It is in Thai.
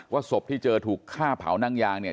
ศพที่เจอถูกฆ่าเผานั่งยางเนี่ย